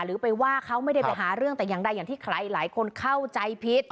หรือไปว่าเขาไม่ได้ไปหาเรื่องแต่อย่างใดอย่างที่ใครหลายคนเข้าใจผิด